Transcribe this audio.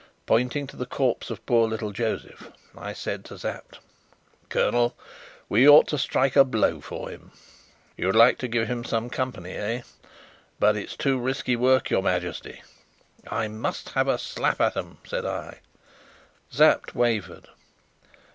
Pointing to the corpse of poor little Josef, I said to Sapt: "Colonel, we ought to strike a blow for him!" "You'd like to give him some company, eh! But it's too risky work, your Majesty." "I must have a slap at 'em," said I. Sapt wavered.